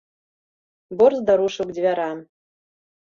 Борзда рушыў к дзвярам.